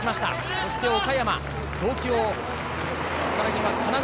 そして、岡山、東京、神奈川。